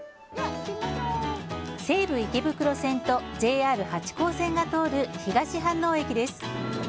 西武池袋線とＪＲ八高線が通る東飯能駅です。